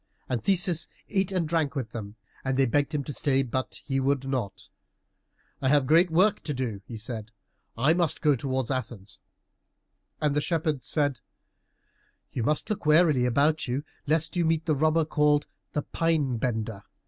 And Theseus ate and drank with them, and they begged him to stay, but he would not. "I have a great work to do;" he said, "I must go towards Athens." And the shepherds said, "You must look warily about you, lest you meet the robber, called the Pine bender.